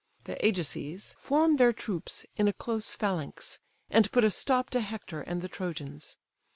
The Ajaces form their troops in a close phalanx, and put a stop to Hector and the Trojans.